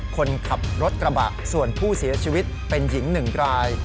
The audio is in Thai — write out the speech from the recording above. คนขับรถกระบะส่วนผู้เสียชีวิตเป็นหญิง๑ราย